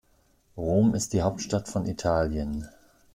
Rom ist die Hauptstadt von Italien.